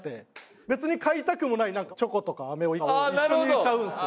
別に買いたくもないチョコとか飴を一緒に買うんですよ。